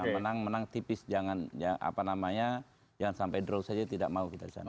menang menang tipis jangan apa namanya jangan sampai draw saja tidak mau kita di sana